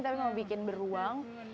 tapi mau bikin beruang